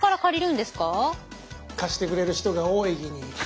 貸してくれる人が多いきに